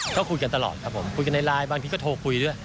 ก็คุยกันตลอดครับผมคุยกันในไลน์บางทีก็โทรคุยด้วย